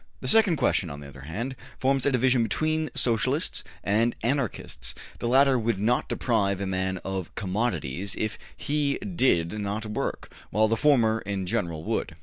The second question, on the other hand, forms a division between Socialists and Anarchists; the latter would not deprive a man of commodities if he did not work, while the former in general would.